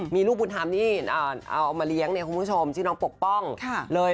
มีลูกบุญธรรมนี่เอามาเลี้ยงเนี่ยคุณผู้ชมชื่อน้องปกป้องเลย